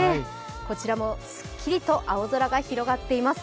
こちらもすっきりと青空が広がっています。